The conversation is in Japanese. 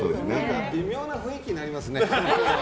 微妙な雰囲気になりますね。